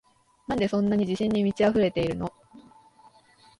なんでそんなに自信に満ちあふれてるの？